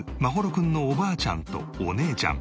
君のおばあちゃんとお姉ちゃん。